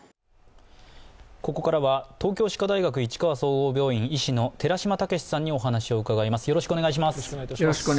ここからは東京歯科大学市川総合病院、医師の寺嶋毅さんにお話を伺います。